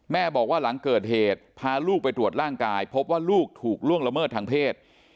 แม่บอกว่าหลังเกิดเหตุพาลูกไปตรวจร่างกายพบว่าลูกถูกล่วงละเมิดทางเพศ